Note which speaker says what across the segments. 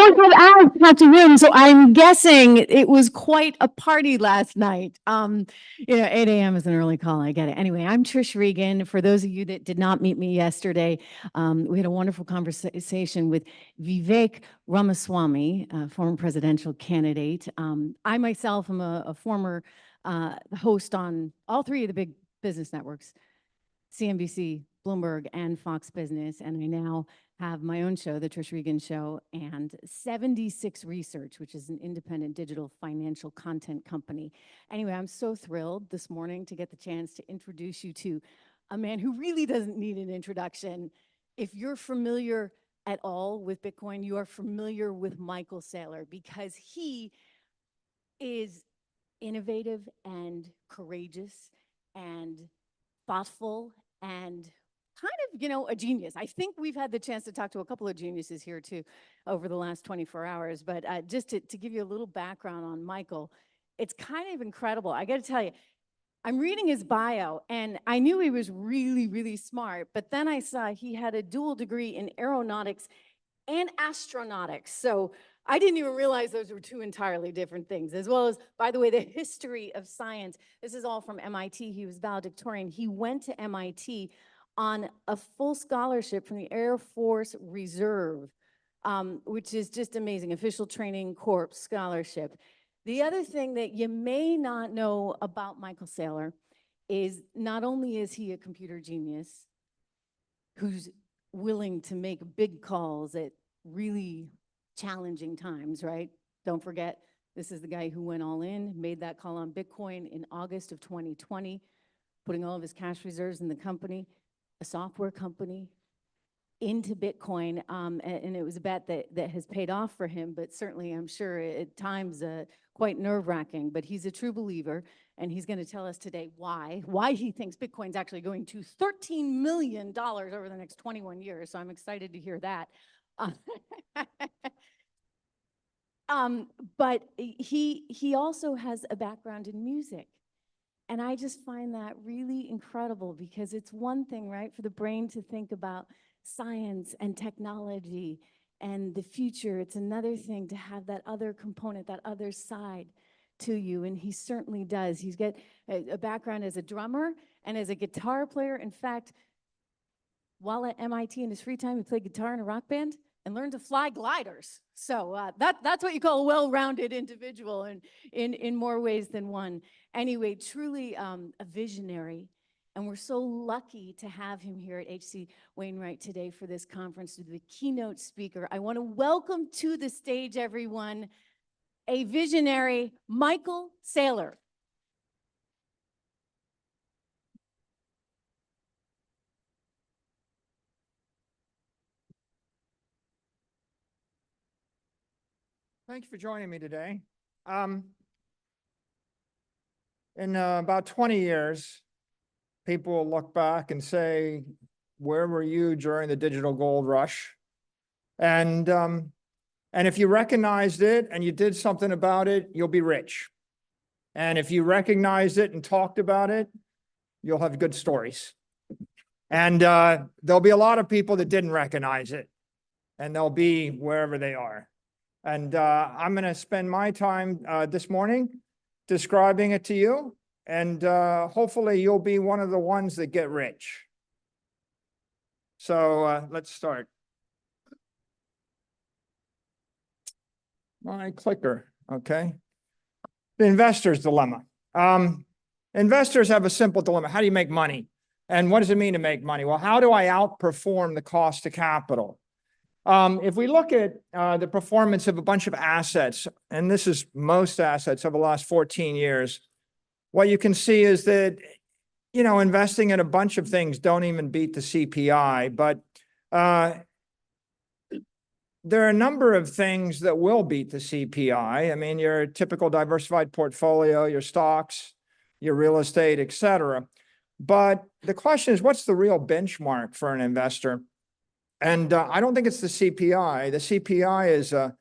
Speaker 1: We don't have hours, not tomorrow, so I'm guessing it was quite a party last night. You know, 8:00 A.M. is an early call. I get it. Anyway, I'm Trish Regan. For those of you that did not meet me yesterday, we had a wonderful conversation with Vivek Ramaswamy, a former presidential candidate. I myself am a former host on all three of the big business networks: CNBC, Bloomberg, and Fox Business, and I now have my own show, The Trish Regan Show, and 76 Research, which is an independent digital financial content company. Anyway, I'm so thrilled this morning to get the chance to introduce you to a man who really doesn't need an introduction. If you're familiar at all with Bitcoin, you are familiar with Michael Saylor, because he is innovative, and courageous, and thoughtful, and kind of, you know, a genius. I think we've had the chance to talk to a couple of geniuses here, too, over the last 24 hours. But just to give you a little background on Michael, it's kind of incredible. I gotta tell you, I'm reading his bio, and I knew he was really, really smart, but then I saw he had a dual degree in Aeronautics and Astronautics, so I didn't even realize those were two entirely different things, as well as, by the way, the history of science. This is all from MIT. He was valedictorian. He went to MIT on a full scholarship from the Air Force Reserve, which is just amazing, Officer Training Corps Scholarship. The other thing that you may not know about Michael Saylor is, not only is he a computer genius who's willing to make big calls at really challenging times, right? Don't forget, this is the guy who went all in, made that call on Bitcoin in August 2020, putting all of his cash reserves in the company, a software company, into Bitcoin. And it was a bet that has paid off for him, but certainly I'm sure at times quite nerve-wracking. But he's a true believer, and he's gonna tell us today why he thinks Bitcoin's actually going to $13 million over the next 21 years, so I'm excited to hear that. But he also has a background in music, and I just find that really incredible because it's one thing, right, for the brain to think about science, and technology, and the future. It's another thing to have that other component, that other side to you, and he certainly does. He's got a background as a drummer and as a guitar player. In fact, while at MIT, in his free time, he played guitar in a rock band and learned to fly gliders. So, that's what you call a well-rounded individual and in, in more ways than one. Anyway, truly, a visionary, and we're so lucky to have him here at H.C. Wainwright today for this conference as the keynote speaker. I wanna welcome to the stage, everyone, a visionary, Michael Saylor.
Speaker 2: Thank you for joining me today. In about 20 years, people will look back and say, "Where were you during the digital gold rush?" And if you recognized it, and you did something about it, you'll be rich, and if you recognized it and talked about it, you'll have good stories. And there'll be a lot of people that didn't recognize it, and they'll be wherever they are. And I'm gonna spend my time this morning describing it to you, and hopefully, you'll be one of the ones that get rich. So let's start. My clicker. Okay. The investor's dilemma. Investors have a simple dilemma: How do you make money? And what does it mean to make money? Well, how do I outperform the cost to capital? If we look at the performance of a bunch of assets, and this is most assets over the last 14 years, what you can see is that, you know, investing in a bunch of things don't even beat the CPI, but there are a number of things that will beat the CPI. I mean, your typical diversified portfolio, your stocks, your real estate, et cetera. But the question is, what's the real benchmark for an investor? And I don't think it's the CPI. The CPI is a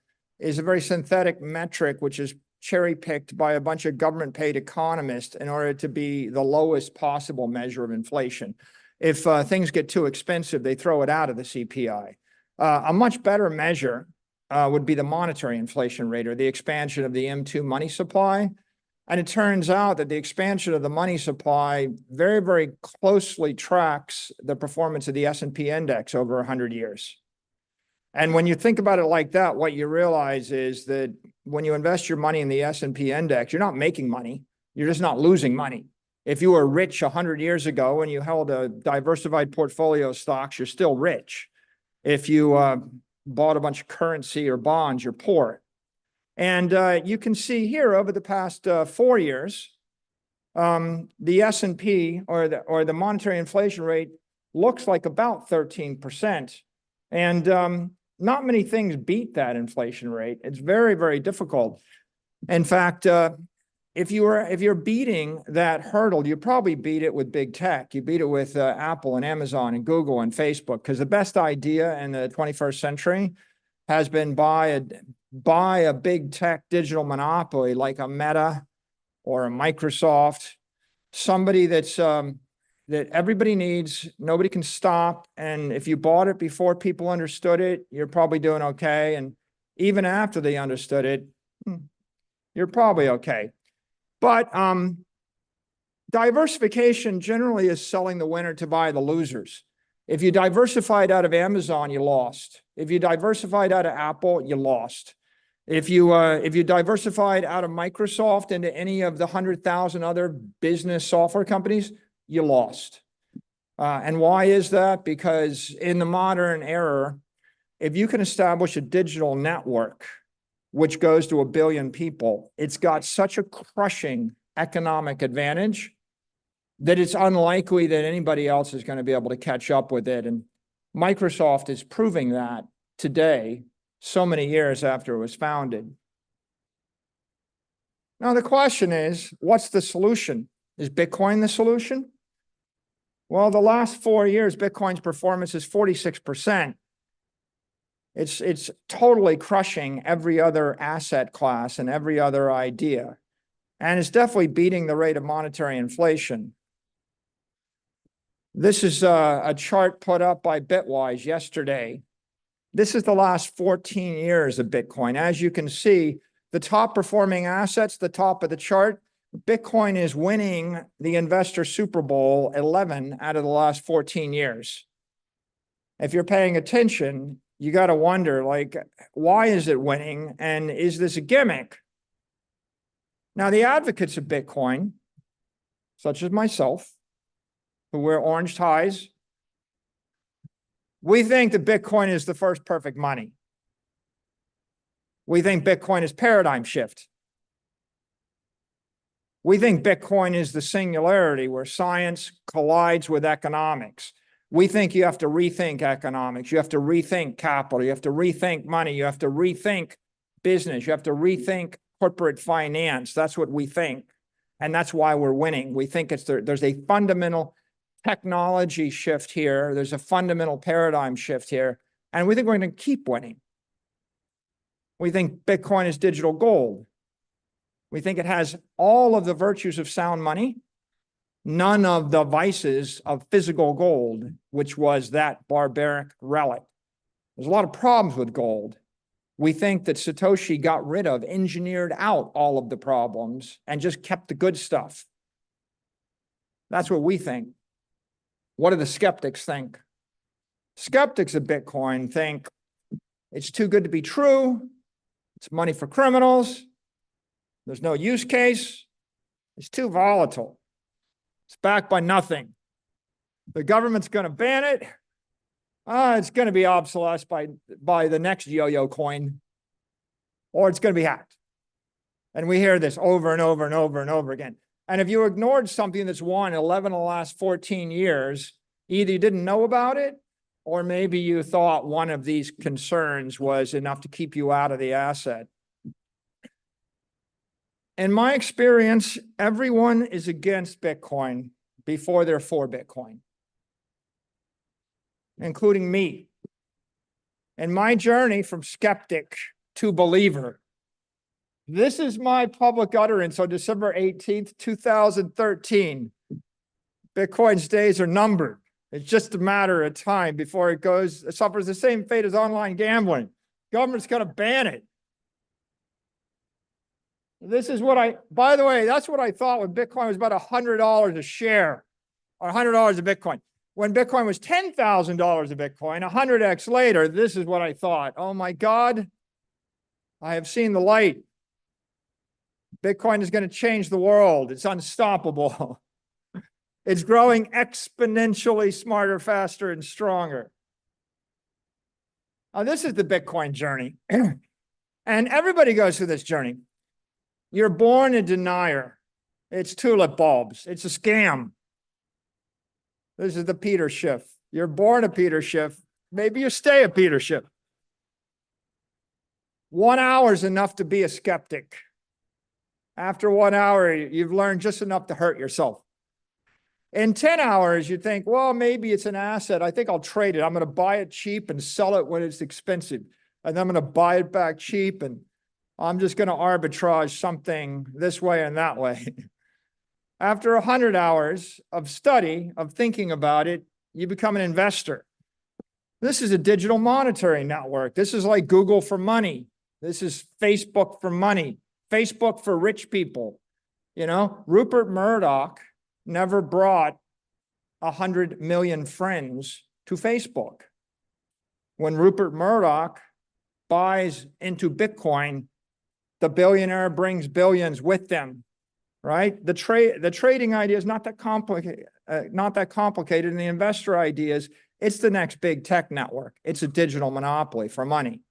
Speaker 2: very synthetic metric, which is cherry-picked by a bunch of government-paid economists in order to be the lowest possible measure of inflation. If things get too expensive, they throw it out of the CPI. A much better measure would be the monetary inflation rate or the expansion of the M2 money supply, and it turns out that the expansion of the money supply very, very closely tracks the performance of the S&P index over a hundred years. And when you think about it like that, what you realize is that when you invest your money in the S&P index, you're not making money. You're just not losing money. If you were rich a hundred years ago, and you held a diversified portfolio of stocks, you're still rich. If you bought a bunch of currency or bonds, you're poor. And you can see here over the past four years, the S&P or the monetary inflation rate looks like about 13%, and not many things beat that inflation rate. It's very, very difficult. In fact, if you're beating that hurdle, you probably beat it with Big Tech. You beat it with Apple, and Amazon, and Google, and Facebook, 'cause the best idea in the 21st century has been buy a Big Tech digital monopoly, like a Meta or a Microsoft, somebody that's that everybody needs, nobody can stop, and if you bought it before people understood it, you're probably doing okay, and even after they understood it, you're probably okay. But diversification generally is selling the winner to buy the losers. If you diversified out of Amazon, you lost. If you diversified out of Apple, you lost. If you diversified out of Microsoft into any of the hundred thousand other business software companies, you lost. And why is that? Because in the modern era, if you can establish a digital network which goes to a billion people, it's got such a crushing economic advantage that it's unlikely that anybody else is gonna be able to catch up with it, and Microsoft is proving that today, so many years after it was founded. Now, the question is: What's the solution? Is Bitcoin the solution? Well, the last four years, Bitcoin's performance is 46%. It's, it's totally crushing every other asset class and every other idea, and it's definitely beating the rate of monetary inflation. This is a chart put up by Bitwise yesterday. This is the last 14 years of Bitcoin. As you can see, the top-performing asset's the top of the chart. Bitcoin is winning the investor Super Bowl 11 out of the last 14 years. If you're paying attention, you gotta wonder, like, why is it winning, and is this a gimmick? Now, the advocates of Bitcoin, such as myself, who wear orange ties, we think that Bitcoin is the first perfect money. We think Bitcoin is paradigm shift. We think Bitcoin is the singularity, where science collides with economics. We think you have to rethink economics. You have to rethink capital. You have to rethink money. You have to rethink business. You have to rethink corporate finance. That's what we think, and that's why we're winning. We think it's there, there's a fundamental technology shift here. There's a fundamental paradigm shift here, and we think we're going to keep winning. We think Bitcoin is digital gold. We think it has all of the virtues of sound money, none of the vices of physical gold, which was that barbaric relic. There's a lot of problems with gold. We think that Satoshi got rid of, engineered out, all of the problems and just kept the good stuff. That's what we think. What do the skeptics think? Skeptics of Bitcoin think it's too good to be true, it's money for criminals, there's no use case, it's too volatile, it's backed by nothing, the government's gonna ban it, it's gonna be obsolete by the next yo-yo coin, or it's gonna be hacked, and we hear this over and over and over and over again, and if you ignored something that's won 11 of the last 14 years, either you didn't know about it, or maybe you thought one of these concerns was enough to keep you out of the asset. In my experience, everyone is against Bitcoin before they're for Bitcoin, including me, and my journey from skeptic to believer... This is my public utterance on December 18th, 2013: "Bitcoin's days are numbered. It's just a matter of time before it goes. It suffers the same fate as online gambling. Government's gonna ban it!" This is what I. By the way, that's what I thought when Bitcoin was about $100 a share, or $100 a Bitcoin. When Bitcoin was $10,000 a Bitcoin, 100X later, this is what I thought: "Oh, my God, I have seen the light. Bitcoin is gonna change the world. It's unstoppable. It's growing exponentially smarter, faster, and stronger." Now, this is the Bitcoin journey, and everybody goes through this journey. You're born a denier. "It's tulip bulbs. It's a scam." This is the Peter Schiff. You're born a Peter Schiff; maybe you stay a Peter Schiff. One hour is enough to be a skeptic. After one hour, you've learned just enough to hurt yourself. In 10 hours, you think, "Well, maybe it's an asset. I think I'll trade it. I'm gonna buy it cheap and sell it when it's expensive, and then I'm gonna buy it back cheap, and I'm just gonna arbitrage something this way and that way." After 100 hours of study, of thinking about it, you become an investor. This is a digital monetary network. This is like Google for money. This is Facebook for money, Facebook for rich people. You know, Rupert Murdoch never brought 100 million friends to Facebook. When Rupert Murdoch buys into Bitcoin, the billionaire brings billions with them, right? The trading idea is not that complicated, and the investor idea is, it's the next Big Tech network. It's a digital monopoly for money.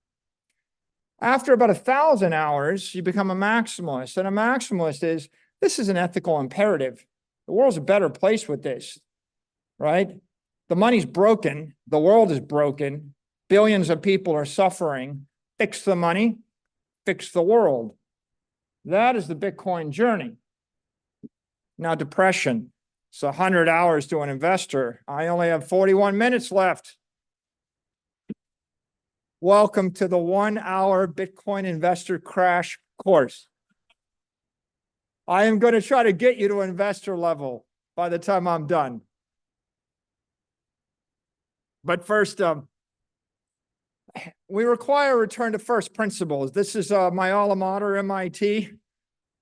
Speaker 2: After about 1,000 hours, you become a maximalist, and a maximalist is, "This is an ethical imperative. The world's a better place with this," right? The money's broken. The world is broken. Billions of people are suffering. Fix the money, fix the world. That is the Bitcoin journey. Now, depression. So 100 hours to an investor. I only have 41 minutes left. Welcome to the one-hour Bitcoin investor crash course. I am going to try to get you to investor level by the time I'm done. But first, we require a return to first principles. This is my alma mater, MIT.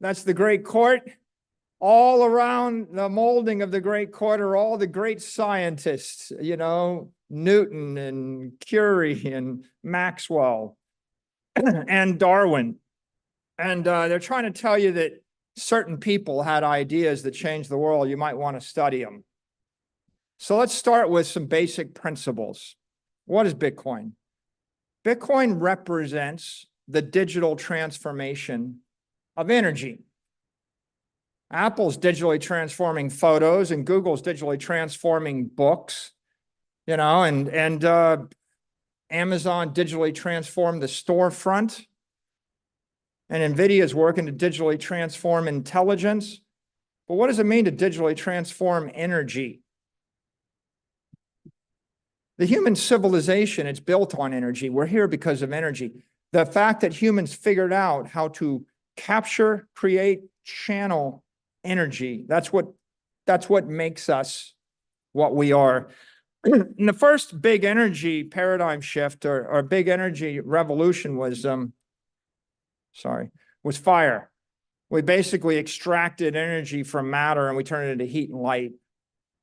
Speaker 2: That's the Great Court. All around the molding of the Great Court are all the great scientists, you know, Newton and Curie and Maxwell, and Darwin. And they're trying to tell you that certain people had ideas that changed the world, you might wanna study them. So let's start with some basic principles. What is Bitcoin? Bitcoin represents the digital transformation of energy. Apple's digitally transforming photos, and Google's digitally transforming books, you know, and Amazon digitally transformed the storefront, and NVIDIA is working to digitally transform intelligence. But what does it mean to digitally transform energy? The human civilization, it's built on energy. We're here because of energy. The fact that humans figured out how to capture, create, channel energy, that's what, that's what makes us what we are. And the first big energy paradigm shift or big energy revolution was. Sorry, was fire. We basically extracted energy from matter, and we turned it into heat and light,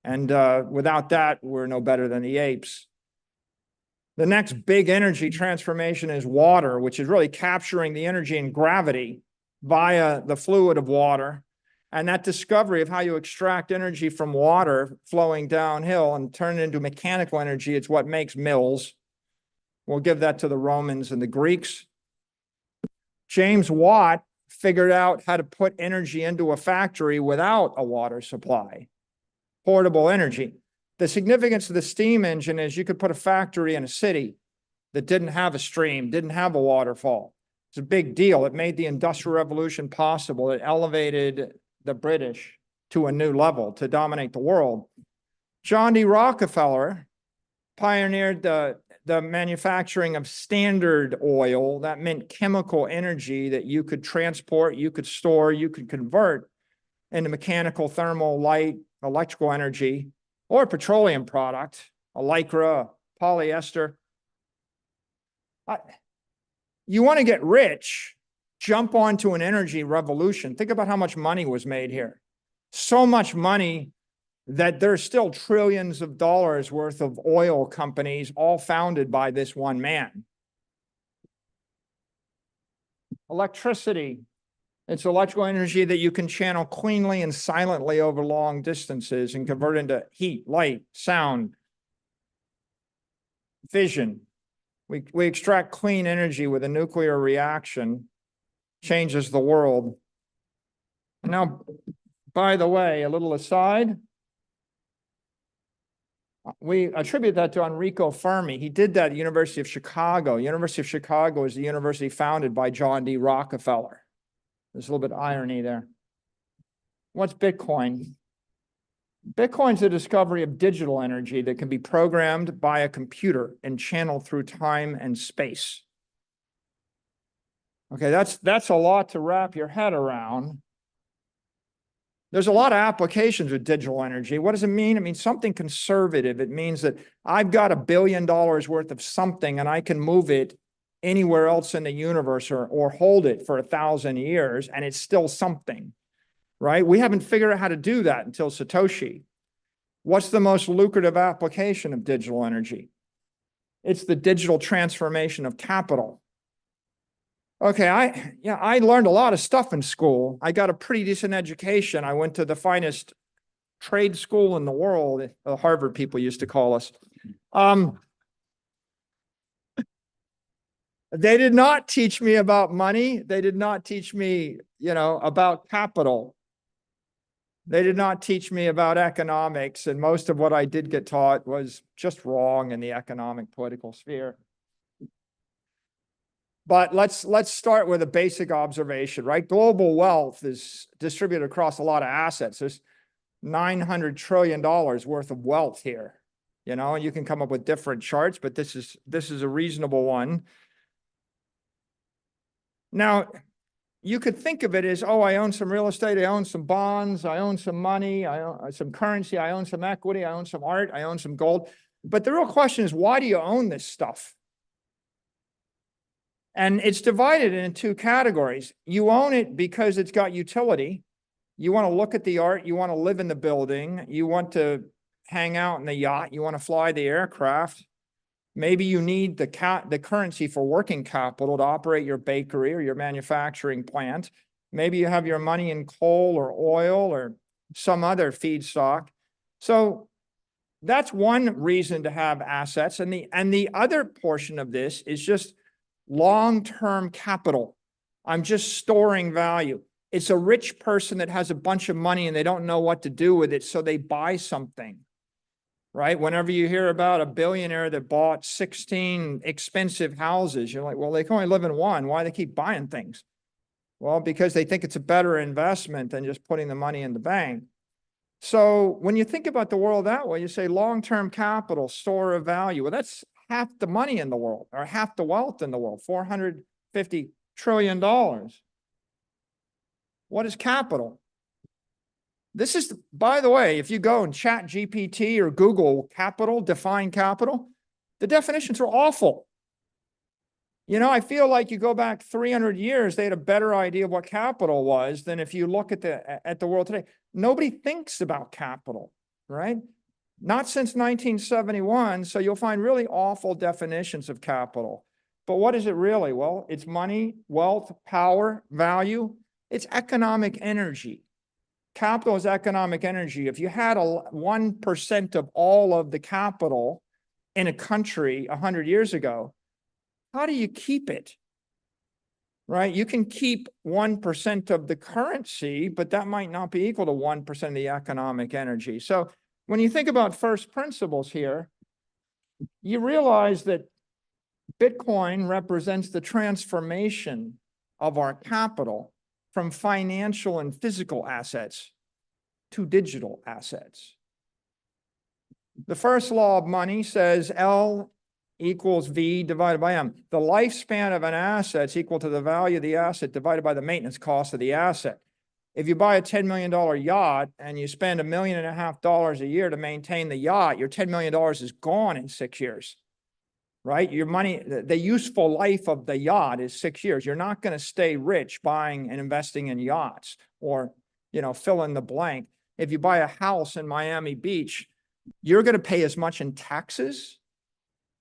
Speaker 2: and without that, we're no better than the apes. The next big energy transformation is water, which is really capturing the energy and gravity via the fluid of water, and that discovery of how you extract energy from water flowing downhill and turn it into mechanical energy. It's what makes mills. We'll give that to the Romans and the Greeks. James Watt figured out how to put energy into a factory without a water supply, portable energy. The significance of the steam engine is you could put a factory in a city that didn't have a stream, didn't have a waterfall. It's a big deal. It made the industrial revolution possible. It elevated the British to a new level to dominate the world. John D. Rockefeller pioneered the manufacturing of Standard Oil. That meant chemical energy that you could transport, you could store, you could convert in a mechanical, thermal, light, electrical energy or a petroleum product, a Lycra, polyester. You wanna get rich, jump onto an energy revolution. Think about how much money was made here. So much money that there are still trillions of dollars worth of oil companies, all founded by this one man. Electricity, it's electrical energy that you can channel cleanly and silently over long distances and convert into heat, light, sound, vision. We extract clean energy with a nuclear reaction, changes the world. Now, by the way, a little aside: we attribute that to Enrico Fermi. He did that at University of Chicago. University of Chicago is the university founded by John D. Rockefeller. There's a little bit of irony there. What's Bitcoin? Bitcoin's the discovery of digital energy that can be programmed by a computer and channeled through time and space. Okay, that's a lot to wrap your head around. There's a lot of applications with digital energy. What does it mean? It means something conservative. It means that I've got $1 billion worth of something, and I can move it anywhere else in the universe or hold it for a thousand years, and it's still something, right? We haven't figured out how to do that until Satoshi. What's the most lucrative application of digital energy? It's the digital transformation of capital. Okay, yeah, I learned a lot of stuff in school. I got a pretty decent education. I went to the finest trade school in the world, the Harvard people used to call us. They did not teach me about money. They did not teach me, you know, about capital. They did not teach me about economics, and most of what I did get taught was just wrong in the economic, political sphere. But let's start with a basic observation, right? Global wealth is distributed across a lot of assets. There's $900 trillion worth of wealth here, you know? You can come up with different charts, but this is a reasonable one. Now, you could think of it as, "Oh, I own some real estate, I own some bonds, I own some money, I own some currency, I own some equity, I own some art, I own some gold." But the real question is, why do you own this stuff? And it's divided into two categories. You own it because it's got utility. You wanna look at the art, you wanna live in the building, you want to hang out in the yacht, you wanna fly the aircraft. Maybe you need the currency for working capital to operate your bakery or your manufacturing plant. Maybe you have your money in coal or oil or some other feedstock. So that's one reason to have assets, and the other portion of this is just long-term capital. I'm just storing value. It's a rich person that has a bunch of money, and they don't know what to do with it, so they buy something, right? Whenever you hear about a billionaire that bought 16 expensive houses, you're like, "Well, they can only live in one. Why they keep buying things?" Well, because they think it's a better investment than just putting the money in the bank. So when you think about the world that way, you say long-term capital, store of value. Well, that's half the money in the world, or half the wealth in the world, $450 trillion. What is capital? By the way, if you go and ChatGPT or Google capital, define capital, the definitions are awful. You know, I feel like you go back 300 years, they had a better idea of what capital was than if you look at the world today. Nobody thinks about capital, right? Not since 1971, so you'll find really awful definitions of capital. But what is it really? Well, it's money, wealth, power, value. It's economic energy. Capital is economic energy. If you had 1% of all of the capital in a country 100 years ago, how do you keep it, right? You can keep 1% of the currency, but that might not be equal to 1% of the economic energy. So when you think about first principles here, you realize that Bitcoin represents the transformation of our capital from financial and physical assets to digital assets. The first law of money says L equals V divided by M. The lifespan of an asset is equal to the value of the asset divided by the maintenance cost of the asset. If you buy a $10 million yacht, and you spend $1.5 million a year to maintain the yacht, your $10 million is gone in six years, right? Your money. The useful life of the yacht is six years. You're not gonna stay rich buying and investing in yachts or, you know, fill in the blank. If you buy a house in Miami Beach, you're gonna pay as much in taxes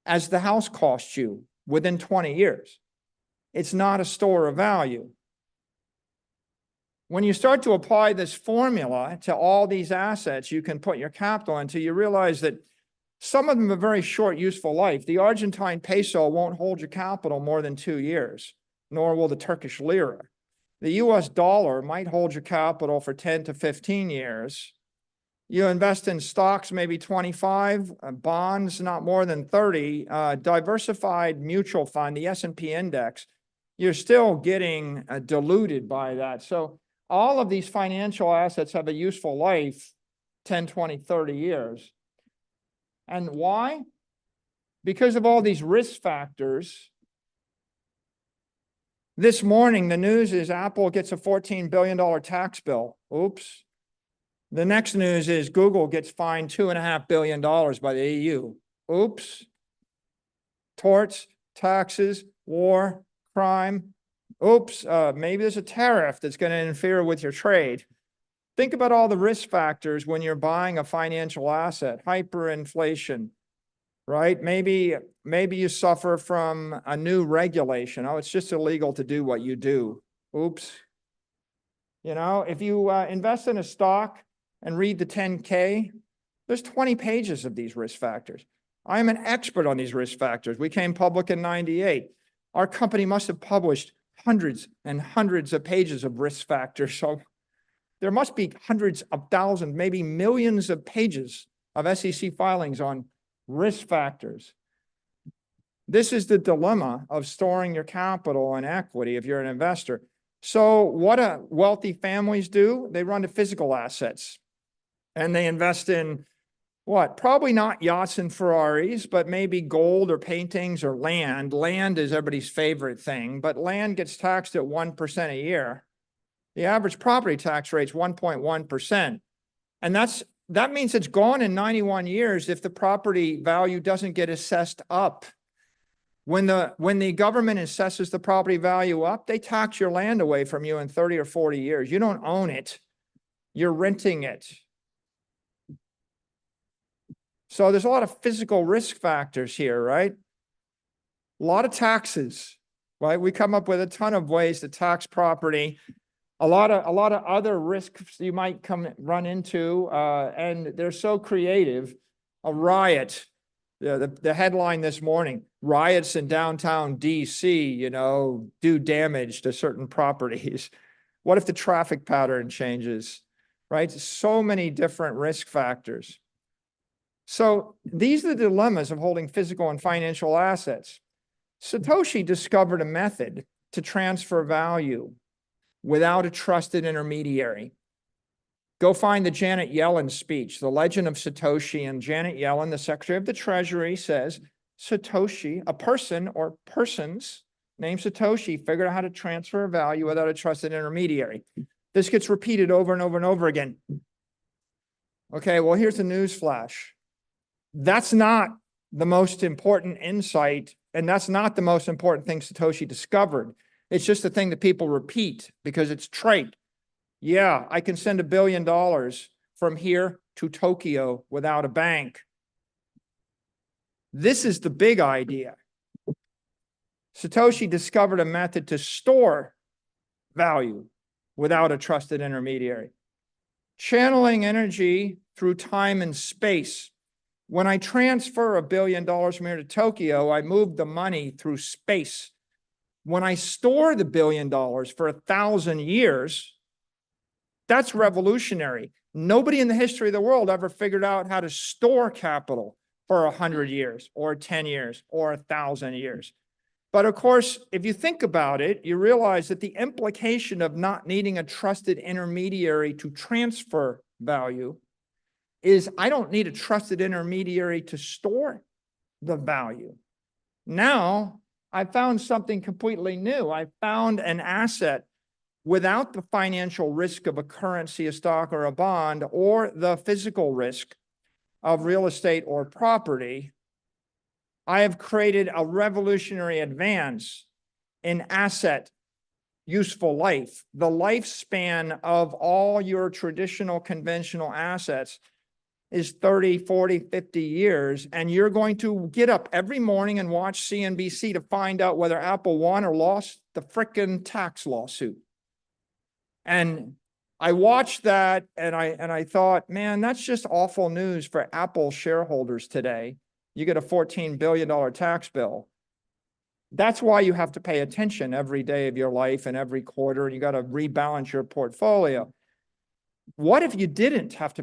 Speaker 2: as the house costs you within 20 years. It's not a store of value. When you start to apply this formula to all these assets you can put your capital into, you realize that some of them have very short, useful life. The Argentine peso won't hold your capital more than two years, nor will the Turkish lira. The US dollar might hold your capital for 10 to 15 years. You invest in stocks, maybe 25, bonds, not more than 30. Diversified mutual fund, the S&P index, you're still getting, diluted by that. So all of these financial assets have a useful life, 10, 20, 30 years. And why? Because of all these risk factors. This morning, the news is Apple gets a $14 billion tax bill. Oops! The next news is Google gets fined $2.5 billion by the EU. Oops! Torts, taxes, war, crime. Oops, maybe there's a tariff that's gonna interfere with your trade. Think about all the risk factors when you're buying a financial asset. Hyperinflation, right? Maybe, maybe you suffer from a new regulation. Oh, it's just illegal to do what you do. Oops. You know, if you invest in a stock and read the 10-K, there's 20 pages of these risk factors. I'm an expert on these risk factors. We came public in 1998. Our company must have published hundreds and hundreds of pages of risk factors, so there must be hundreds of thousands, maybe millions of pages of SEC filings on risk factors. This is the dilemma of storing your capital and equity if you're an investor. So what wealthy families do, they run to physical assets, and they invest in what? Probably not yachts and Ferraris, but maybe gold or paintings or land. Land is everybody's favorite thing, but land gets taxed at 1% a year. The average property tax rate is 1.1%, and that's, that means it's gone in 91 years if the property value doesn't get assessed up. When the government assesses the property value up, they tax your land away from you in 30 or 40 years. You don't own it, you're renting it. So there's a lot of physical risk factors here, right? A lot of taxes, right? We come up with a ton of ways to tax property. A lot of other risks you might come, run into, and they're so creative. A riot. The headline this morning, Riots in Downtown DC, you know, do damage to certain properties. What if the traffic pattern changes, right? So many different risk factors. So these are the dilemmas of holding physical and financial assets. Satoshi discovered a method to transfer value without a trusted intermediary. Go find the Janet Yellen speech, The Legend of Satoshi, and Janet Yellen, the secretary of the treasury, says, "Satoshi, a person or persons named Satoshi, figured out how to transfer value without a trusted intermediary." This gets repeated over and over and over again. Okay, well, here's a newsflash: That's not the most important insight, and that's not the most important thing Satoshi discovered. It's just the thing that people repeat because it's trite. Yeah, I can send $1 billion from here to Tokyo without a bank. This is the big idea, Satoshi discovered a method to store value without a trusted intermediary, channeling energy through time and space. When I transfer $1 billion from here to Tokyo, I move the money through space. When I store the $1 billion for 1,000 years, that's revolutionary. Nobody in the history of the world ever figured out how to store capital for 100 years or 10 years or 1,000 years... But of course, if you think about it, you realize that the implication of not needing a trusted intermediary to transfer value is I don't need a trusted intermediary to store the value. Now, I've found something completely new. I've found an asset without the financial risk of a currency, a stock, or a bond, or the physical risk of real estate or property. I have created a revolutionary advance in asset useful life. The lifespan of all your traditional, conventional assets is 30, 40, 50 years, and you're going to get up every morning and watch CNBC to find out whether Apple won or lost the fricking tax lawsuit. And I watched that, and I thought, "Man, that's just awful news for Apple shareholders today." You get a $14 billion tax bill. That's why you have to pay attention every day of your life and every quarter, and you've got to rebalance your portfolio. What if you didn't have to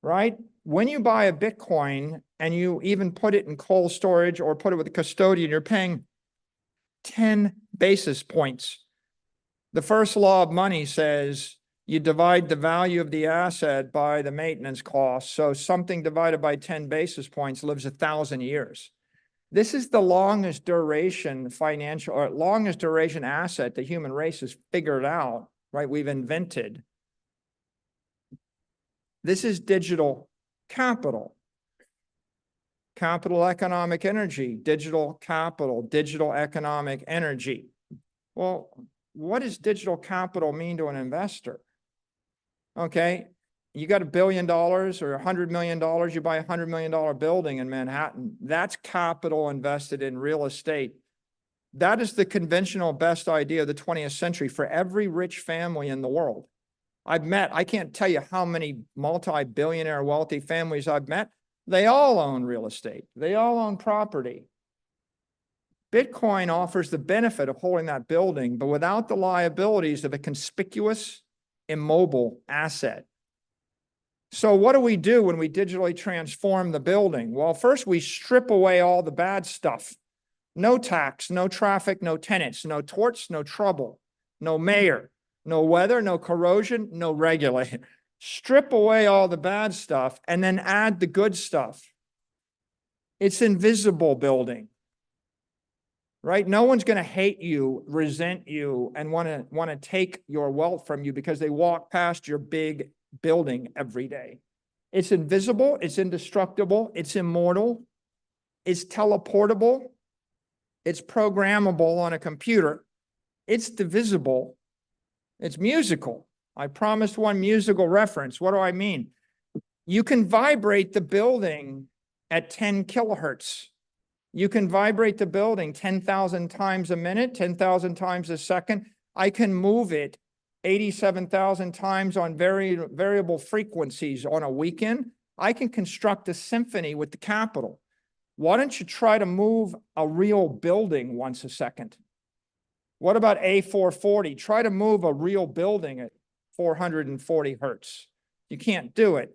Speaker 2: pay attention, right? When you buy a Bitcoin and you even put it in cold storage or put it with a custodian, you're paying 10 basis points. The first law of money says you divide the value of the asset by the maintenance cost, so something divided by 10 basis points lives 1,000 years. This is the longest duration financial or longest duration asset the human race has figured out, right? We've invented. This is digital capital, capital economic energy, digital capital, digital economic energy. Well, what does digital capital mean to an investor? Okay, you got $1 billion or $100 million, you buy a $100 million building in Manhattan. That's capital invested in real estate. That is the conventional best idea of the 20th century for every rich family in the world I've met. I can't tell you how many multi-billionaire wealthy families I've met. They all own real estate. They all own property. Bitcoin offers the benefit of holding that building, but without the liabilities of a conspicuous, immobile asset. So what do we do when we digitally transform the building, Well, first, we strip away all the bad stuff. No tax, no traffic, no tenants, no torts, no trouble, no mayor, no weather, no corrosion, no regulator. Strip away all the bad stuff and then add the good stuff. It's invisible building, right? No one's gonna hate you, resent you, and wanna take your wealth from you because they walk past your big building every day. It's invisible, it's indestructible, it's immortal, it's teleportable, it's programmable on a computer, it's divisible, it's musical. I promised one musical reference. What do I mean? You can vibrate the building at 10kHz. You can vibrate the building 10,000 times a minute, 10,000 times a second. I can move it 87,000 times on very variable frequencies on a weekend. I can construct a symphony with the capital. Why don't you try to move a real building once a second, What about A440? Try to move a real building at 440Hz. You can't do it.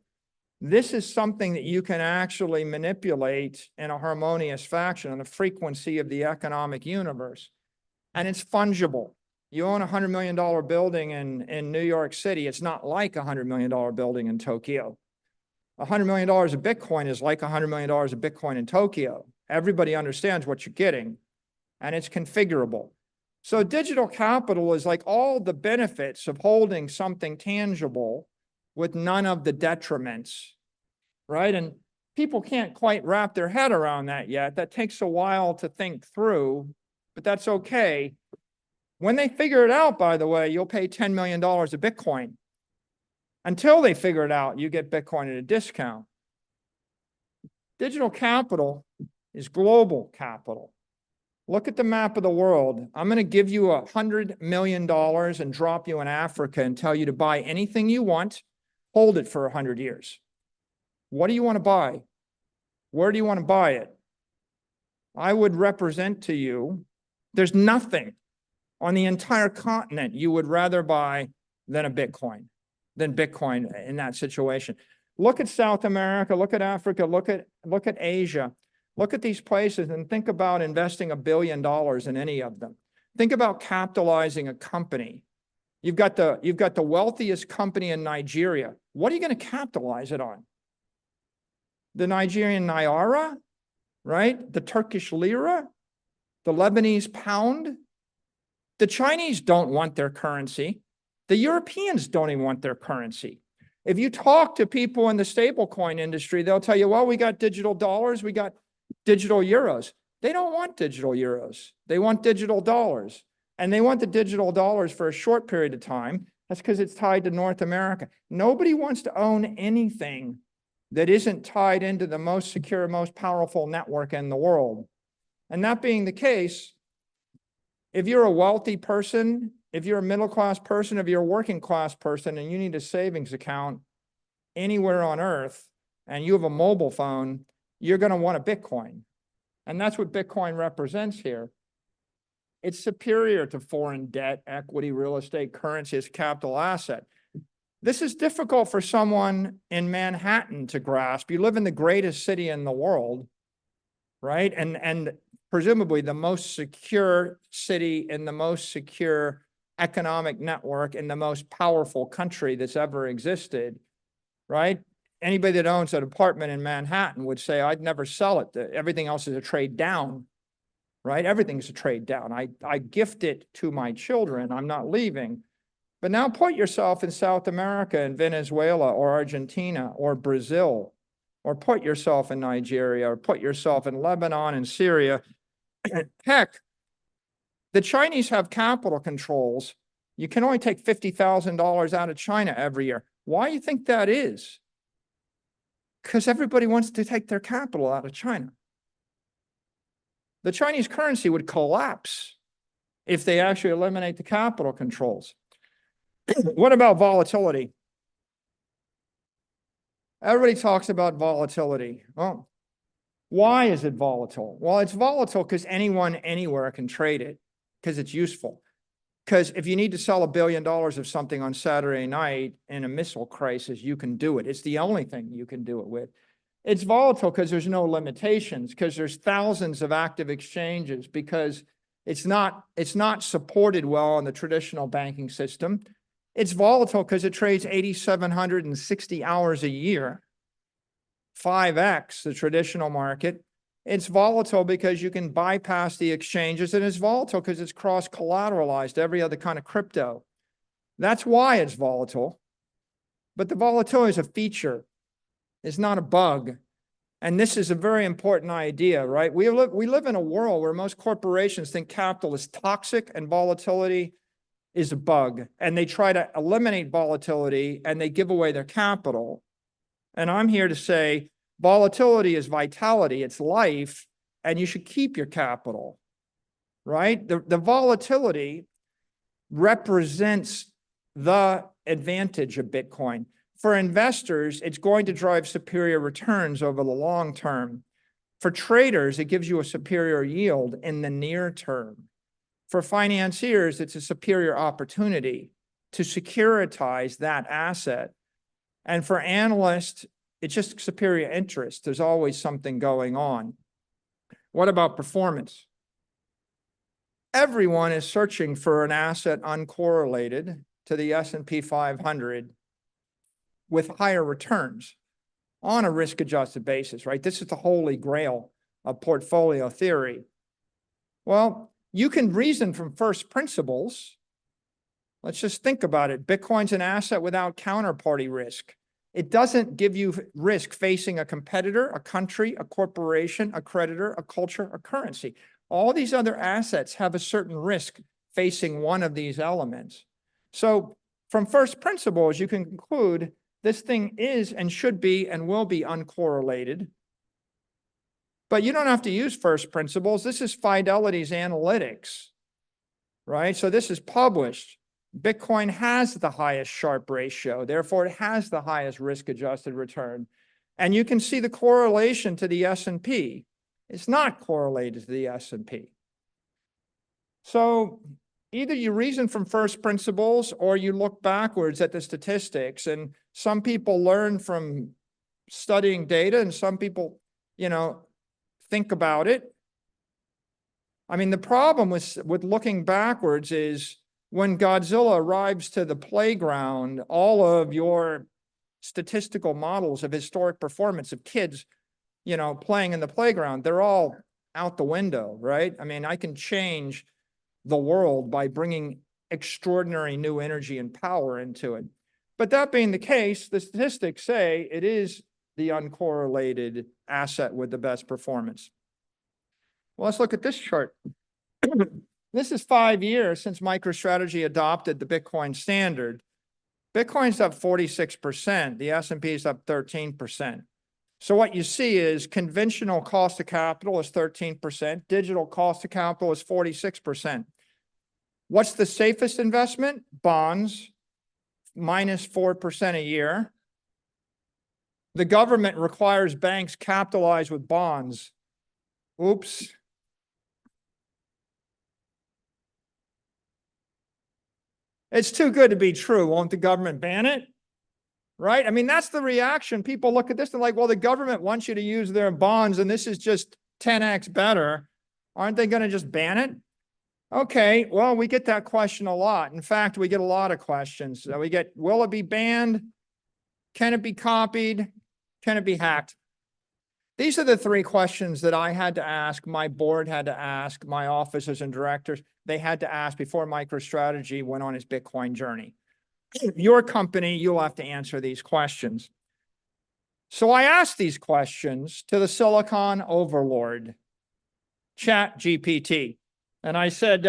Speaker 2: This is something that you can actually manipulate in a harmonious fashion, on a frequency of the economic universe, and it's fungible. You own a $100 million building in, in New York City, it's not like a $100 million building in Tokyo. A $100 million of Bitcoin is like a $100 million of Bitcoin in Tokyo. Everybody understands what you're getting, and it's configurable. So digital capital is like all the benefits of holding something tangible with none of the detriments, right? And people can't quite wrap their head around that yet. That takes a while to think through, but that's okay. When they figure it out, by the way, you'll pay $10 million a Bitcoin. Until they figure it out, you get Bitcoin at a discount. Digital capital is global capital. Look at the map of the world. I'm gonna give you $100 million and drop you in Africa and tell you to buy anything you want, hold it for 100 years. What do you wanna buy? Where do you wanna buy it? I would represent to you, there's nothing on the entire continent you would rather buy than a Bitcoin, than Bitcoin in that situation. Look at South America, look at Africa, look at, look at Asia, look at these places and think about investing $1 billion in any of them. Think about capitalizing a company. You've got the, you've got the wealthiest company in Nigeria. What are you gonna capitalize it on? The Nigerian naira, right? The Turkish lira, the Lebanese pound? The Chinese don't want their currency. The Europeans don't even want their currency. If you talk to people in the stablecoin industry, they'll tell you, "Well, we got digital dollars, we got digital euros." They don't want digital euros. They want digital dollars, and they want the digital dollars for a short period of time. That's 'cause it's tied to North America. Nobody wants to own anything that isn't tied into the most secure, most powerful network in the world. And that being the case, if you're a wealthy person, if you're a middle-class person, if you're a working-class person and you need a savings account anywhere on Earth and you have a mobile phone, you're gonna want a Bitcoin, and that's what Bitcoin represents here... It's superior to foreign debt, equity, real estate, currency as a capital asset. This is difficult for someone in Manhattan to grasp. You live in the greatest city in the world, right? And presumably the most secure city and the most secure economic network in the most powerful country that's ever existed, right? Anybody that owns an apartment in Manhattan would say, "I'd never sell it. Everything else is a trade down," right? Everything's a trade down. "I gift it to my children. I'm not leaving." But now put yourself in South America, in Venezuela or Argentina or Brazil, or put yourself in Nigeria, or put yourself in Lebanon and Syria. Heck, the Chinese have capital controls. You can only take $50,000 out of China every year. Why do you think that is? 'Cause everybody wants to take their capital out of China. The Chinese currency would collapse if they actually eliminate the capital controls. What about volatility? Everybody talks about volatility. Well, why is it volatile? Well, it's volatile 'cause anyone, anywhere can trade it, 'cause it's useful. 'Cause if you need to sell $1 billion of something on Saturday night in a missile crisis, you can do it. It's the only thing you can do it with. It's volatile 'cause there's no limitations, 'cause there's thousands of active exchanges, because it's not supported well in the traditional banking system. It's volatile 'cause it trades 8,760 hours a year, 5x the traditional market. It's volatile because you can bypass the exchanges, and it's volatile 'cause it's cross-collateralized to every other kind of Crypto. That's why it's volatile. But the volatility is a feature, it's not a bug, and this is a very important idea, right? We live in a world where most corporations think capital is toxic and volatility is a bug, and they try to eliminate volatility, and they give away their capital. And I'm here to say volatility is vitality, it's life, and you should keep your capital, right? The volatility represents the advantage of Bitcoin. For investors, it's going to drive superior returns over the long term. For traders, it gives you a superior yield in the near term. For financiers, it's a superior opportunity to securitize that asset. And for analysts, it's just superior interest. There's always something going on. What about performance, Everyone is searching for an asset uncorrelated to the S&P 500, with higher returns on a risk-adjusted basis, right this is the holy grail of portfolio theory. Well, you can reason from first principles. Let's just think about it. Bitcoin's an asset without counterparty risk. It doesn't give you risk facing a competitor, a country, a corporation, a creditor, a culture, a currency. All these other assets have a certain risk facing one of these elements. So from first principles, you can conclude this thing is, and should be, and will be uncorrelated. But you don't have to use first principles. This is Fidelity's analytics, right? So this is published. Bitcoin has the highest Sharpe ratio, therefore it has the highest risk-adjusted return, and you can see the correlation to the S&P. It's not correlated to the S&P. So either you reason from first principles or you look backwards at the statistics, and some people learn from studying data, and some people, you know, think about it. I mean, the problem with looking backwards is when Godzilla arrives to the playground, all of your statistical models of historic performance of kids, you know, playing in the playground, they're all out the window, right? I mean, I can change the world by bringing extraordinary new energy and power into it. But that being the case, the statistics say it is the uncorrelated asset with the best performance. Well, let's look at this chart. This is five years since MicroStrategy adopted the Bitcoin standard. Bitcoin's up 46%, the S&P is up 13%. So what you see is conventional cost to capital is 13%, digital cost to capital is 46%. What's the safest investment? Bonds, minus 4% a year. The government requires banks capitalize with bonds. Oops! It's too good to be true. Won't the government ban it, right? I mean, that's the reaction. People look at this, they're like, "Well, the government wants you to use their bonds, and this is just 10x better. Aren't they gonna just ban it?" Okay, well, we get that question a lot. In fact, we get a lot of questions. So we get, "Will it be banned? Can it be copied? Can it be hacked?" These are the three questions that I had to ask, my board had to ask, my officers and directors, they had to ask before MicroStrategy went on its Bitcoin journey. Your company, you'll have to answer these questions. So I asked these questions to the silicon overlord, ChatGPT, and I said,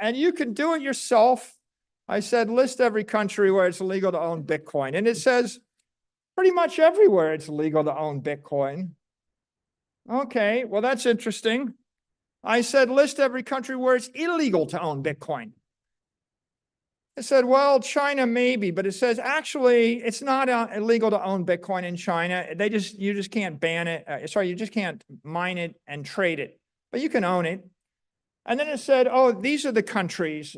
Speaker 2: and you can do it yourself, I said, "List every country where it's illegal to own Bitcoin," and it says, "Pretty much everywhere, it's legal to own Bitcoin." Okay, well, that's interesting. I said, "List every country where it's illegal to own Bitcoin." It said, "Well, China maybe," but it says, "Actually, it's not illegal to own Bitcoin in China. They just you just can't ban it. Sorry, you just can't mine it and trade it, but you can own it." And then it said, "Oh, these are the countries: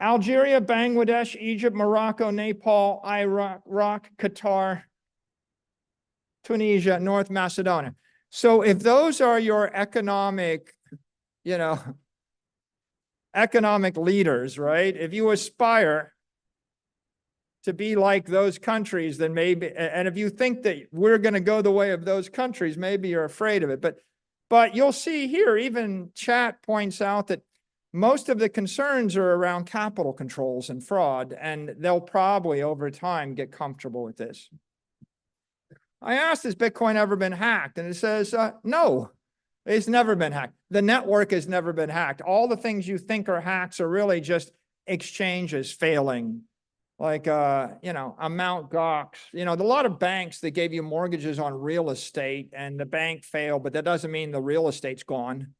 Speaker 2: Algeria, Bangladesh, Egypt, Morocco, Nepal, Iraq, Qatar, Tunisia, North Macedonia." So if those are your economic, you know, economic leaders, right? If you aspire to be like those countries, then maybe... And if you think that we're gonna go the way of those countries, maybe you're afraid of it. But, but you'll see here, even Chat points out that most of the concerns are around capital controls and fraud, and they'll probably, over time, get comfortable with this. I asked, "Has Bitcoin ever been hacked?" And it says, "No, it's never been hacked. The network has never been hacked. All the things you think are hacks are really just exchanges failing," like, you know, a Mt Gox. You know, there are a lot of banks that gave you mortgages on real estate, and the bank failed, but that doesn't mean the real estate's gone.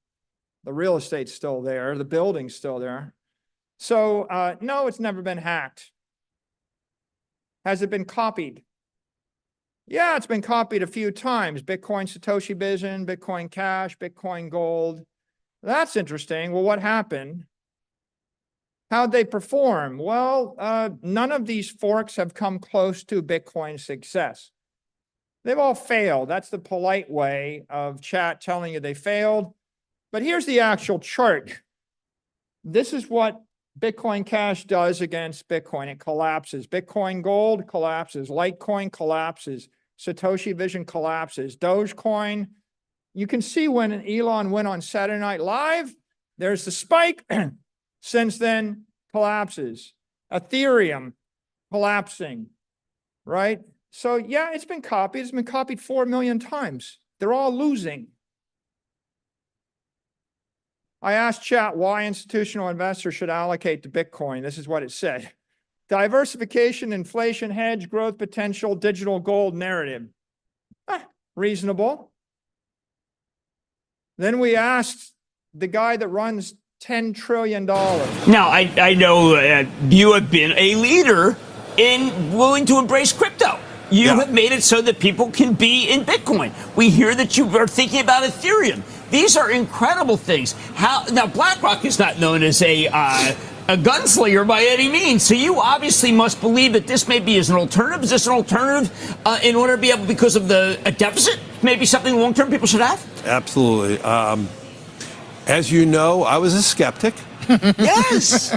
Speaker 2: The real estate's still there. The building's still there. So, no, it's never been hacked. Has it been copied? "Yeah, it's been copied a few times. Bitcoin Satoshi Vision, Bitcoin Cash, Bitcoin Gold." That's interesting. Well, what happened? How'd they perform? Well, none of these forks have come close to Bitcoin's success. They've all failed. That's the polite way of Chat telling you they failed, but here's the actual chart. This is what Bitcoin Cash does against Bitcoin. It collapses. Bitcoin Gold collapses. Litecoin collapses. Satoshi Vision collapses. Dogecoin, you can see when Elon went on Saturday Night Live, there's the spike, since then, collapses. Ethereum, collapsing, right? So, yeah, it's been copied. It's been copied four million times. They're all losing. I asked Chat why institutional investors should allocate to Bitcoin, and this is what it said: "Diversification, inflation hedge, growth potential, digital gold narrative." Ah, reasonable. Then we asked the guy that runs $10 trillion.
Speaker 3: Now, I know you have been a leader in willing to embrace Crypto.
Speaker 2: Yeah.
Speaker 3: You have made it so that people can be in Bitcoin. We hear that you were thinking about Ethereum. These are incredible things. Now, BlackRock is not known as a gunslinger by any means, so you obviously must believe that this may be as an alternative. Is this an alternative in order to be able, because of a deficit? Maybe something long-term people should have?
Speaker 2: Absolutely. As you know, I was a skeptic. Yes!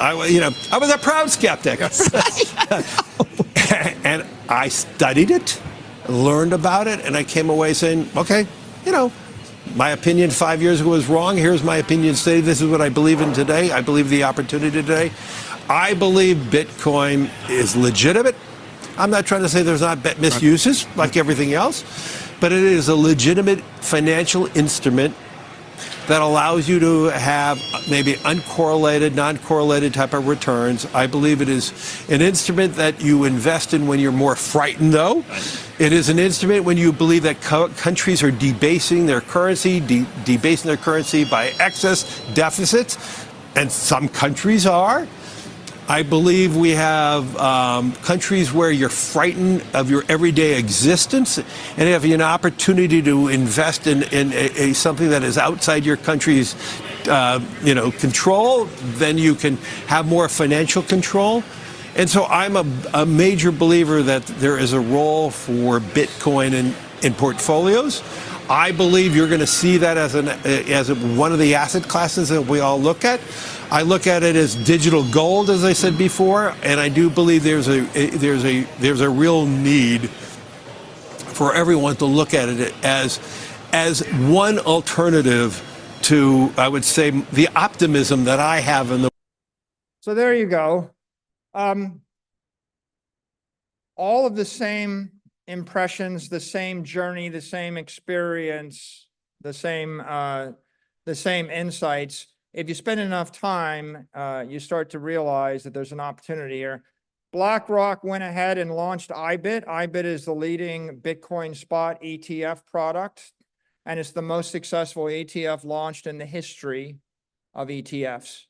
Speaker 2: You know, I was a proud skeptic.
Speaker 3: Oh.
Speaker 2: I studied it, learned about it, and I came away saying, Okay, you know, my opinion five years ago is wrong. Here's my opinion today. This is what I believe in today. I believe the opportunity today, I believe Bitcoin is legitimate. I'm not trying to say there's not Bitcoin misuses-
Speaker 3: Right...
Speaker 4: like everything else, but it is a legitimate financial instrument that allows you to have maybe uncorrelated, non-correlated type of returns. I believe it is an instrument that you invest in when you're more frightened, though.
Speaker 3: Right.
Speaker 4: It is an instrument when you believe that countries are debasing their currency by excess deficits, and some countries are. I believe we have countries where you're frightened of your everyday existence, and if you have an opportunity to invest in a something that is outside your country's, you know, control, then you can have more financial control. And so I'm a major believer that there is a role for Bitcoin in portfolios. I believe you're gonna see that as an as one of the asset classes that we all look at. I look at it as digital gold, as I said before, and I do believe there's a real need for everyone to look at it as one alternative to, I would say, the optimism that I have in the-
Speaker 2: So there you go. All of the same impressions, the same journey, the same experience, the same insights. If you spend enough time, you start to realize that there's an opportunity here. BlackRock went ahead and launched IBIT. IBIT is the leading Bitcoin spot ETF product, and it's the most successful ETF launched in the history of ETFs.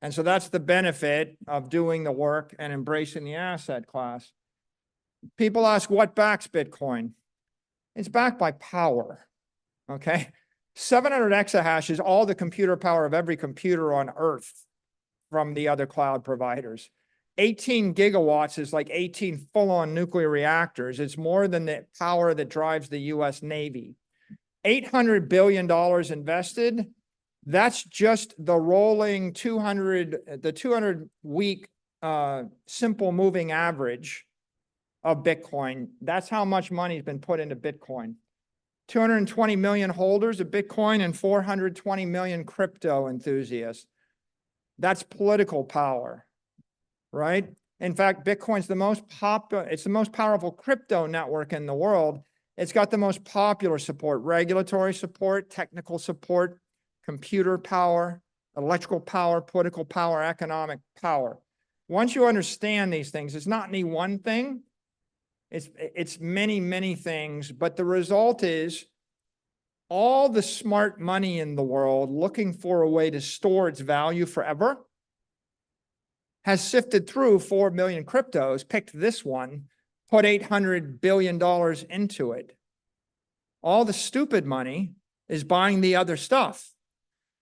Speaker 2: And so that's the benefit of doing the work and embracing the asset class. People ask, "What backs Bitcoin?" It's backed by power, okay 700 exahashes, all the computer power of every computer on Earth from the other cloud providers. 18GW is, like, 18 full-on nuclear reactors. It's more than the power that drives the U.S. Navy. $800 billion invested, that's just the rolling 200-week simple moving average of Bitcoin. That's how much money has been put into Bitcoin. 220 million holders of Bitcoin, and 420 million Crypto enthusiasts. That's political power, right? In fact, Bitcoin's the most popular. It's the most powerful Crypto network in the world. It's got the most popular support, regulatory support, technical support, computer power, electrical power, political power, economic power. Once you understand these things, it's not any one thing, it's, it's many, many things, but the result is all the smart money in the world looking for a way to store its value forever, has sifted through four million Cryptos, picked this one, put $800 billion into it. All the stupid money is buying the other stuff.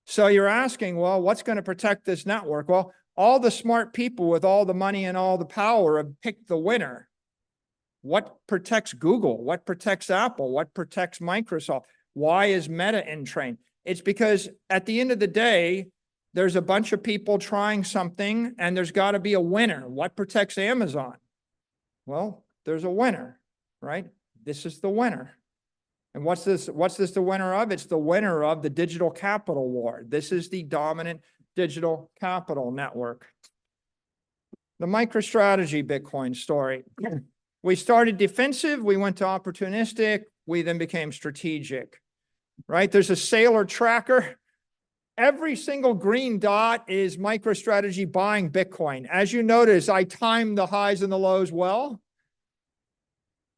Speaker 2: So you're asking, "Well, what's gonna protect this network?" Well, all the smart people with all the money and all the power have picked the winner. What protects Google? What protects Apple? What protects Microsoft? Why is Meta intact? It's because at the end of the day, there's a bunch of people trying something, and there's gotta be a winner. What protects Amazon? Well, there's a winner, right? This is the winner. And what's this, what's this the winner of? It's the winner of the digital capital war. This is the dominant digital capital network. The MicroStrategy Bitcoin story. We started defensive, we went to opportunistic, we then became strategic, right? There's a Saylor Tracker. Every single green dot is MicroStrategy buying Bitcoin. As you notice, I time the highs and the lows well.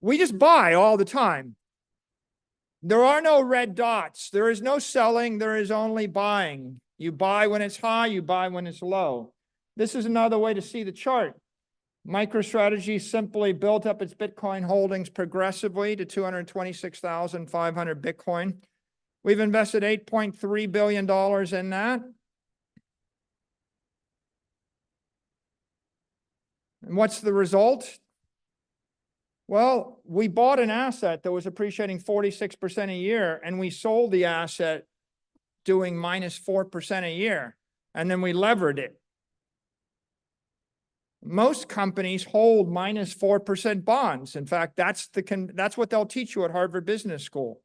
Speaker 2: We just buy all the time. There are no red dots. There is no selling, there is only buying. You buy when it's high, you buy when it's low. This is another way to see the chart. MicroStrategy simply built up its Bitcoin holdings progressively to 226,500 Bitcoin. We've invested $8.3 billion in that. What's the result? We bought an asset that was appreciating 46% a year, and we sold the asset doing -4% a year, and then we levered it. Most companies hold -4% bonds. In fact, that's what they'll teach you at Harvard Business School.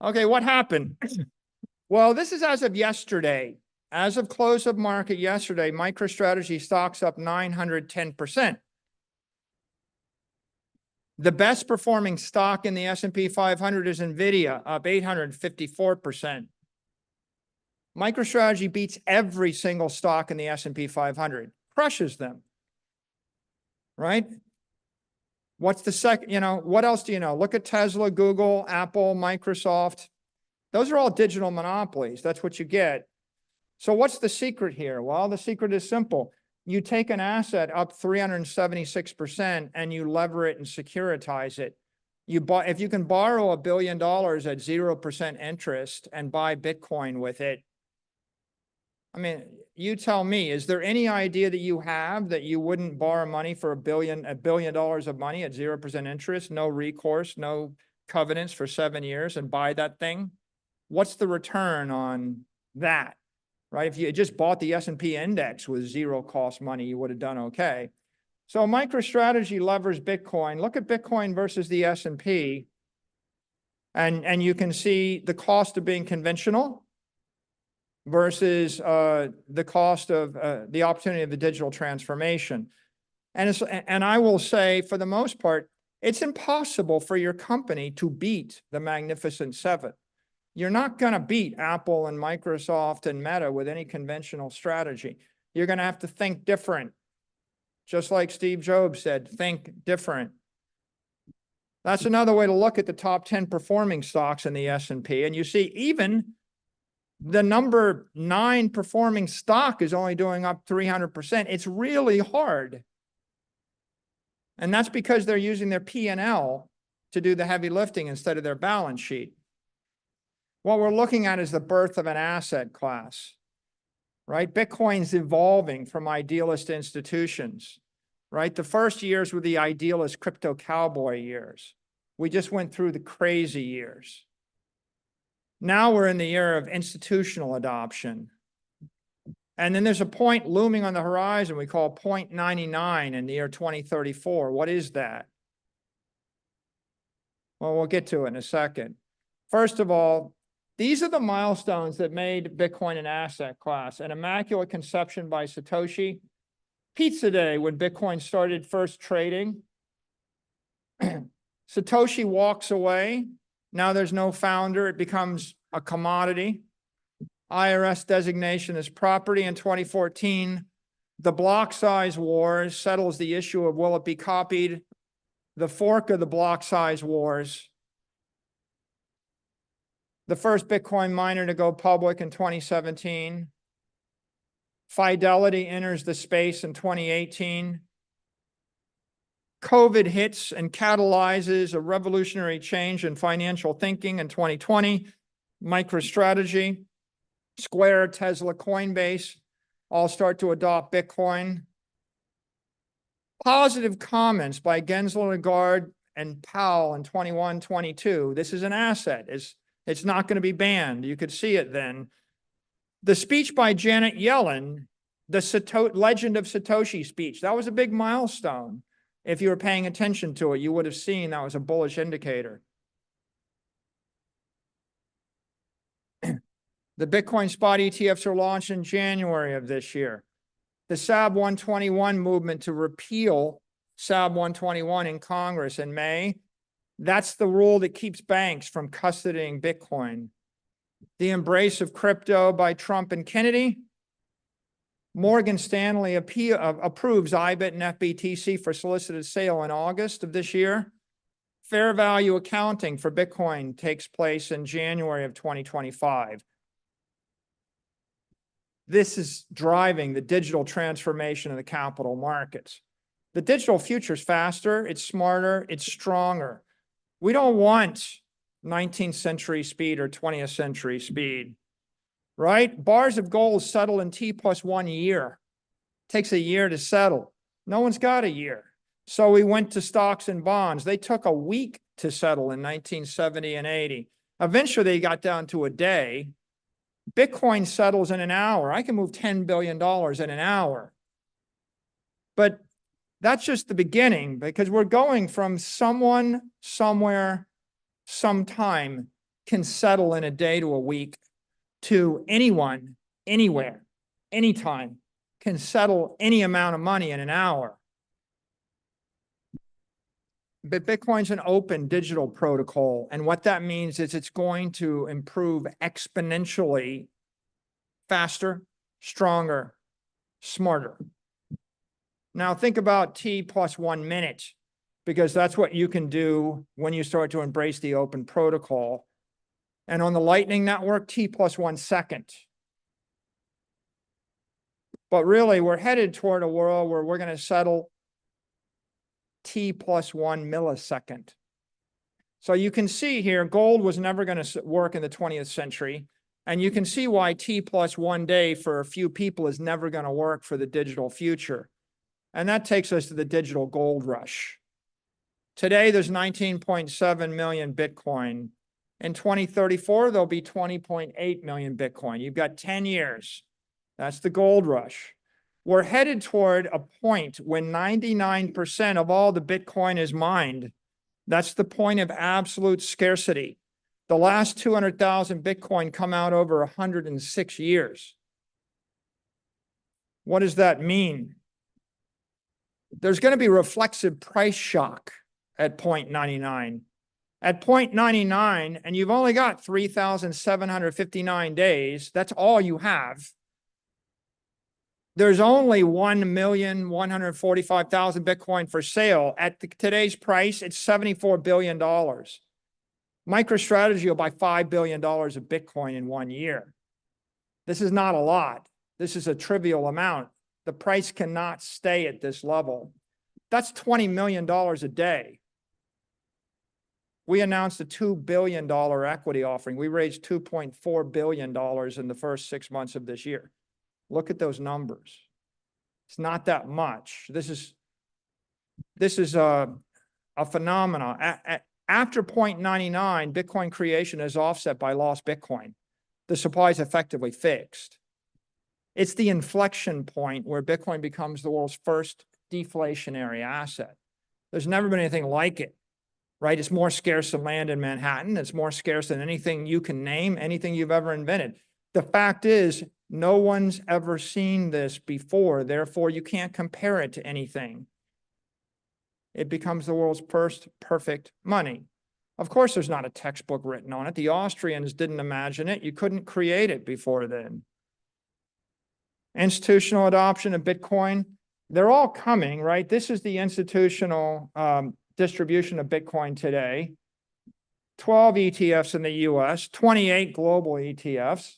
Speaker 2: Okay, what happened? This is as of yesterday. As of close of market yesterday, MicroStrategy stock up 910%. The best performing stock in the S&P 500 is NVIDIA, up 854%. MicroStrategy beats every single stock in the S&P 500, crushes them, right? What's the secret you know, what else do you know look at Tesla, Google, Apple, Microsoft. Those are all digital monopolies. That's what you get. So what's the secret here the secret is simple. You take an asset up 376%, and you lever it and securitize it. If you can borrow $1 billion at 0% interest and buy Bitcoin with it, I mean, you tell me, is there any idea that you have that you wouldn't borrow money for $1 billion at 0% interest, no recourse, no covenants for seven years, and buy that thing? What's the return on that, right? If you had just bought the S&P index with zero-cost money, you would've done okay. So MicroStrategy levers Bitcoin. Look at Bitcoin versus the S&P, and you can see the cost of being conventional versus the cost of the opportunity of the digital transformation. And I will say, for the most part, it's impossible for your company to beat the Magnificent Seven. You're not gonna beat Apple and Microsoft and Meta with any conventional strategy. You're gonna have to think different. Just like Steve Jobs said, "Think different." That's another way to look at the top ten performing stocks in the S&P, and you see even the number 9 performing stock is only doing up 300%. It's really hard, and that's because they're using their P&L to do the heavy lifting instead of their balance sheet. What we're looking at is the birth of an asset class, right Bitcoin's evolving from idealist institutions, right the first years were the idealist Crypto cowboy years. We just went through the crazy years. Now we're in the era of institutional adoption, and then there's a point looming on the horizon we call point 90 in the year 2034. What is that? Well, we'll get to it in a second. First of all, these are the milestones that made Bitcoin an asset class an Immaculate Conception by Satoshi, Pizza Day, when Bitcoin started first trading, Satoshi walks away, now there's no founder, it becomes a commodity, IRS designation as property in 2014, the block size wars settles the issue of will it be copied, the fork of the block size wars, the first Bitcoin miner to go public in 2017, Fidelity enters the space in 2018, COVID hits and catalyzes a revolutionary change in financial thinking in 2020, MicroStrategy, Square, Tesla, Coinbase all start to adopt Bitcoin. Positive comments by Gensler, Lagarde, and Powell in 2021, 2022. This is an asset. It's not gonna be banned. You could see it then. The speech by Janet Yellen, the Legend of Satoshi speech, that was a big milestone. If you were paying attention to it, you would've seen that was a bullish indicator. The Bitcoin spot ETFs were launched in January of this year. The SAB 121 movement to repeal SAB 121 in Congress in May, that's the rule that keeps banks from custodying Bitcoin. The embrace of Crypto by Trump and Kennedy... Morgan Stanley approves IBIT and FBTC for solicited sale in August of this year. Fair value accounting for Bitcoin takes place in January of 2025. This is driving the digital transformation in the capital markets. The digital future's faster, it's smarter, it's stronger. We don't want 19th century speed or 20th century speed, right? Bars of gold settle in T plus one year. Takes a year to settle. No one's got a year. So we went to stocks and bonds. They took a week to settle in 1970 and '80. Eventually, they got down to a day. Bitcoin settles in an hour. I can move $10 billion in an hour. But that's just the beginning, because we're going from someone, somewhere, sometime, can settle in a day to a week, to anyone, anywhere, anytime, can settle any amount of money in an hour. But Bitcoin's an open digital protocol, and what that means is it's going to improve exponentially, faster, stronger, smarter. Now, think about T plus one minute, because that's what you can do when you start to embrace the open protocol. And on the Lightning Network, T plus one second. But really, we're headed toward a world where we're gonna settle T plus one millisecond. So you can see here, gold was never gonna work in the 20th century, and you can see why T plus one day for a few people is never gonna work for the digital future, and that takes us to the digital gold rush. Today, there's 19.7 million Bitcoin. In 2034, there'll be 20.8 million Bitcoin. You've got 10 years. That's the gold rush. We're headed toward a point when 99% of all the Bitcoin is mined. That's the point of absolute scarcity. The last 200,000 Bitcoin come out over 106 years. What does that mean? There's gonna be reflexive price shock at 0.99 At 0.99, and you've only got 3,759 days, that's all you have, there's only 1,145,000 Bitcoin for sale. At today's price, it's $74 billion. MicroStrategy will buy $5 billion of Bitcoin in one year. This is not a lot. This is a trivial amount. The price cannot stay at this level. That's $20 million a day. We announced a $2 billion equity offering. We raised $2.4 billion in the first six months of this year. Look at those numbers. It's not that much. This is a phenomenon. After 0.99, Bitcoin creation is offset by lost Bitcoin. The supply is effectively fixed. It's the inflection point where Bitcoin becomes the world's first deflationary asset. There's never been anything like it, right? It's more scarce than land in Manhattan, it's more scarce than anything you can name, anything you've ever invented. The fact is, no one's ever seen this before, therefore, you can't compare it to anything. It becomes the world's first perfect money. Of course, there's not a textbook written on it. The Austrians didn't imagine it. You couldn't create it before then. Institutional adoption of Bitcoin, they're all coming, right? This is the institutional distribution of Bitcoin today. 12 ETFs in the US, 28 global ETFs.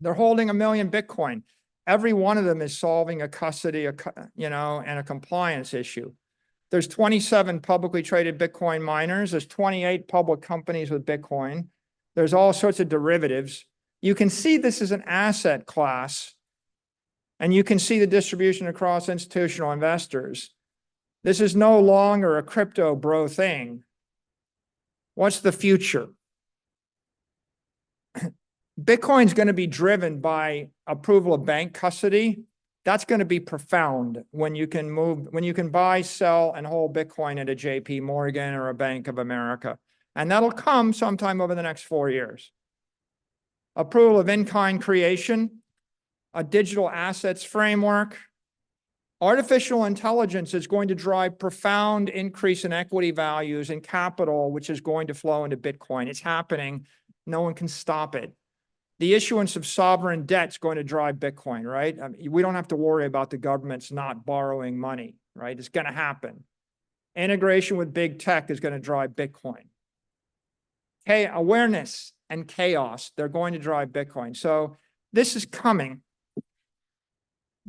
Speaker 2: They're holding 1 million Bitcoin. Every one of them is solving a custody, you know, and a compliance issue. There's 27 publicly traded Bitcoin miners, there's 28 public companies with Bitcoin. There's all sorts of derivatives. You can see this is an asset class, and you can see the distribution across institutional investors. This is no longer a Crypto bro thing. What's the future? Bitcoin's gonna be driven by approval of bank custody. That's gonna be profound when you can buy, sell, and hold Bitcoin at a JPMorgan or a Bank of America, and that'll come sometime over the next four years. Approval of in-kind creation, a digital assets framework. Artificial Intelligence is going to drive profound increase in equity values and capital, which is going to flow into Bitcoin. It's happening, no one can stop it. The issuance of sovereign debt is gonna drive Bitcoin, right? We don't have to worry about the governments not borrowing money, right? It's gonna happen. Integration with Big Tech is gonna drive Bitcoin. Hey, awareness and chaos, they're going to drive Bitcoin. So this is coming.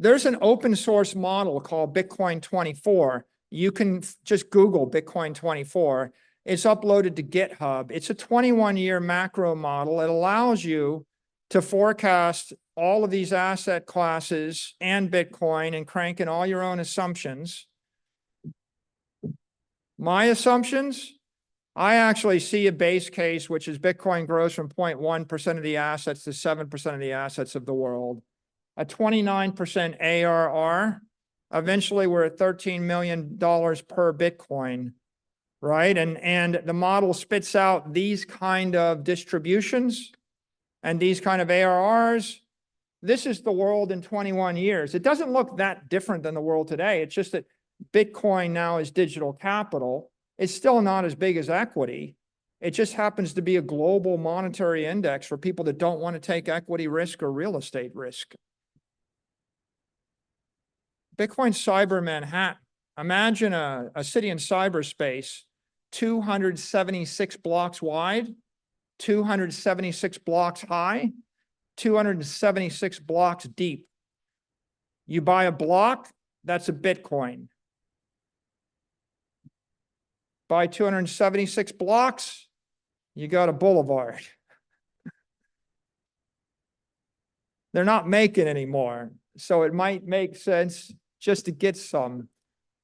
Speaker 2: There's an open source model called Bitcoin 24. You can just Google Bitcoin 24. It's uploaded to GitHub. It's a 21-year macro model. It allows you to forecast all of these asset classes and Bitcoin, and crank in all your own assumptions. My assumptions, I actually see a base case, which is Bitcoin grows from 0.1% of the assets to 7% of the assets of the world. A 29% ARR, eventually we're at $13 million per Bitcoin, right? And the model spits out these kind of distributions and these kind of ARRs. This is the world in 21 years. It doesn't look that different than the world today, it's just that Bitcoin now is digital capital. It's still not as big as equity. It just happens to be a global monetary index for people that don't wanna take equity risk or real estate risk. Bitcoin Cyber Manhattan. Imagine a city in cyberspace 276 blocks wide, 276 blocks high, 276 blocks deep. You buy a block, that's a Bitcoin. Buy 276 blocks, you got a boulevard. They're not making anymore, so it might make sense just to get some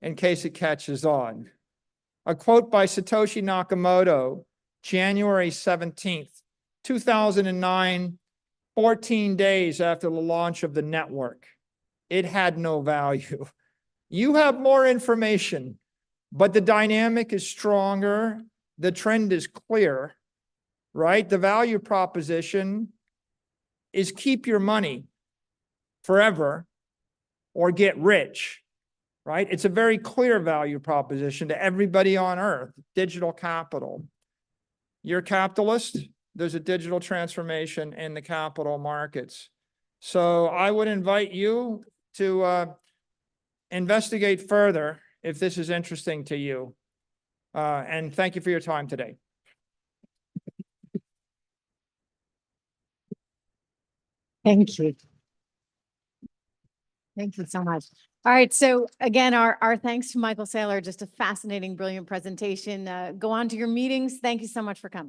Speaker 2: in case it catches on. A quote by Satoshi Nakamoto, January 17th, 2009, 14 days after the launch of the network. It had no value. You have more information, but the dynamic is stronger, the trend is clear, right? The value proposition is keep your money forever or get rich, right? It's a very clear value proposition to everybody on Earth, digital capital. You're a capitalist. There's a digital transformation in the capital markets, so I would invite you to investigate further if this is interesting to you. And thank you for your time today. Thank you.
Speaker 1: Thank you so much. All right, so again, our thanks to Michael Saylor. Just a fascinating, brilliant presentation. Go on to your meetings. Thank you so much for coming.